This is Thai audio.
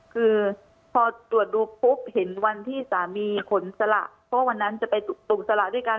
คือพอตรวจดูปุ๊บเห็นวันที่สามีขนสละเพราะวันนั้นจะไปตกสละด้วยกัน